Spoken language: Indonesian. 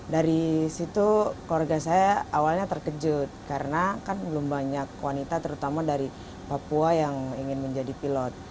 dari situ keluarga saya awalnya terkejut karena kan belum banyak wanita terutama dari papua yang ingin menjadi pilot